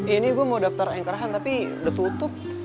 ini gue mau daftar e inkrahan tapi udah tutup